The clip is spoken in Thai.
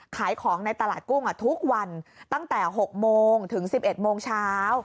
ขายของในตลาดกุ้งทุกวันตั้งแต่๖โมงถึง๑๑โมงเช้า